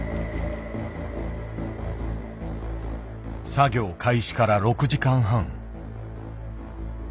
作業開始から６時間半。